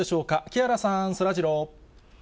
木原さん、そらジロー。